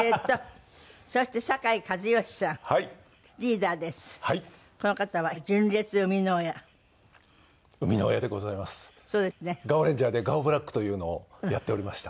『ガオレンジャー』でガオブラックというのをやっておりました。